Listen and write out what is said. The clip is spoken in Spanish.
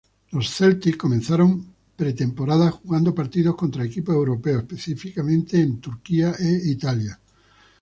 Los Celtics comenzaron pretemporada jugando partidos contra equipos Europeos, específicamente en Turquía e Italia.